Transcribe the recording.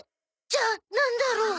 じゃあなんだろう？